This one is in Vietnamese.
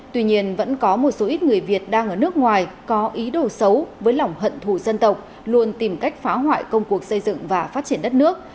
tuy nhiên vẫn có một số ít người việt đang ở nước ngoài có ý đồ xấu với lỏng thủ dân tộc luôn tìm cách phá hoại công cuộc xây dựng và phát triển đất nước